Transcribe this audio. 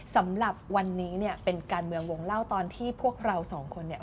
สำหรับวันนี้เนี่ยเป็นการเมืองวงเล่าตอนที่พวกเราสองคนเนี่ย